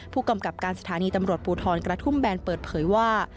ผู้กำกับการสถานีตำรวจภูทรกระทุ่มแบนเปิดเผยว่า